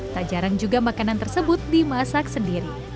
tak jarang juga makanan tersebut dimasak sendiri